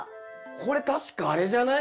これ確かあれじゃない？